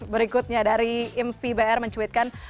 berikutnya dari impi br mencuitkan